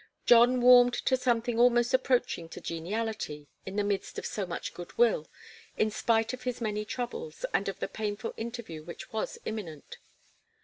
John warmed to something almost approaching to geniality, in the midst of so much good will, in spite of his many troubles and of the painful interview which was imminent.